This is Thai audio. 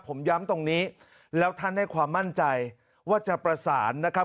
ผมย้ำตรงนี้แล้วท่านให้ความมั่นใจว่าจะประสานนะครับ